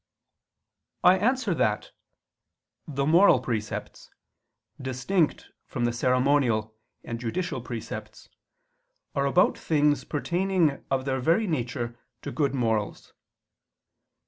I answer that, The moral precepts, distinct from the ceremonial and judicial precepts, are about things pertaining of their very nature to good morals.